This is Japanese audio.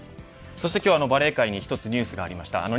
そして今日はバレー界に１つニュースがありました。